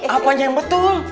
apa yang betul